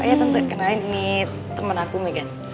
oh ya tante kenalin nih temen aku megan